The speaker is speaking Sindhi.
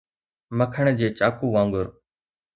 مکڻ جي چاقو وانگر.